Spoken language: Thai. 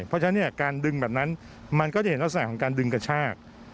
เพราะฉะนั้นการดึงแบบนั้นมันก็จะเห็นลักษณะของการดึงกระชาก